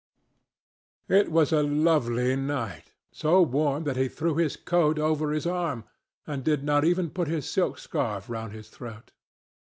It was a lovely night, so warm that he threw his coat over his arm and did not even put his silk scarf round his throat.